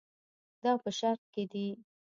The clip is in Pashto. دا په شرق کې دي.